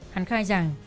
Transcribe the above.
hắn khai rằng